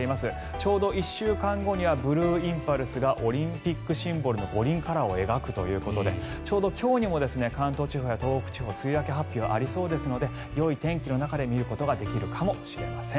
ちょうど１週間後にはブルーインパルスがオリンピックシンボルの五輪カラーを描くということでちょうど今日にも関東地方や東北地方は梅雨明け発表がありそうですのでよい天気の中で見ることができるかもしれません。